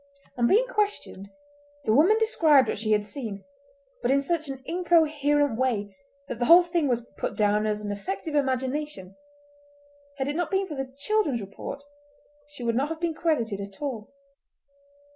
On being questioned the woman described what she had seen, but in such an incoherent way that the whole thing was put down as an effect of imagination; had it not been for the children's report she would not have been credited at all.